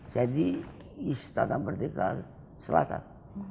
saya di istana merdeka selatan